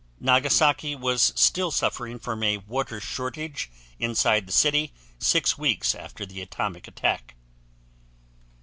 Nagasaki was still suffering from a water shortage inside the city six weeks after the atomic attack.